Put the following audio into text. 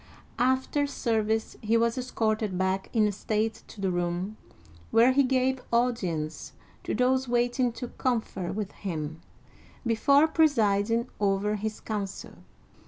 After service he was escorted back in state to the room where he gave audience to those waiting to confer with him, before pre siding over his council.